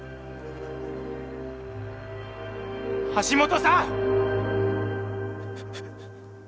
橋本さん！！